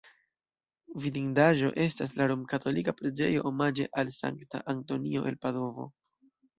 Vidindaĵo estas la romkatolika preĝejo omaĝe al Sankta Antonio el Padovo.